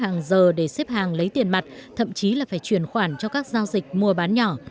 dân phải mất hàng giờ để xếp hàng lấy tiền mặt thậm chí là phải chuyển khoản cho các giao dịch mua bán nhỏ